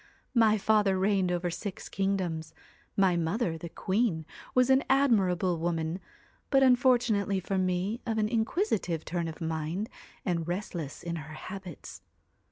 My father reigned over six kingdoms. My mother, the queen, was an admir able woman, but, unfortunately for me, of an inquisi tive turn of mind, and restless in her habits.